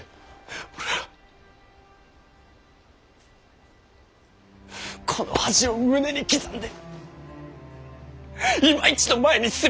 俺はこの恥を胸に刻んでいま一度前に進みたい。